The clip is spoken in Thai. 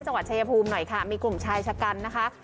เอาไปชาวาชายภูมิหน่อยค่ะมีกลุ่มชายชะกัลนะคะ